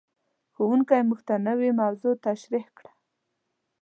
ښوونکی موږ ته نوې موضوع تشریح کړه.